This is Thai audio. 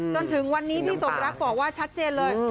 จนถึงวันนี้พี่สมรักบอกว่าชัดเจนเลย